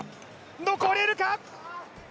残れるか？